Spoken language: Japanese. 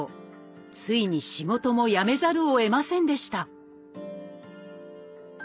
ついに仕事も辞めざるをえませんでした